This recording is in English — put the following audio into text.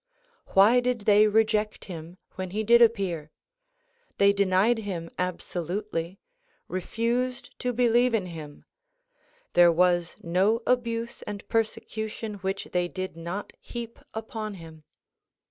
Why did they reject him when he did appear ? They denied him absolutely ; refused to believe in him. There was no abuse and persecution which they did not heap upon him.